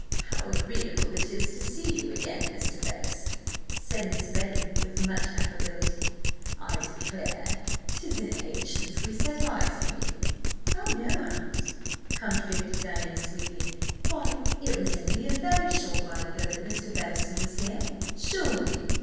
"How agreeable it is to see you again, Mr. Bettison!" said Miss Betty with much affability. "I declare 'tis an age since we set eyes on you!" "Oh, no, Aunt," contradicted Diana sweetly. "Why, it was only a very short while ago that Mr. Bettison was here, surely!"